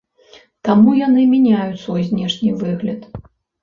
Таму яны мяняюць свой знешні выгляд.